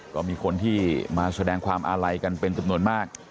ก็มีคนที่มาแสดงความอาลัยกันเป็นจำนวนมาก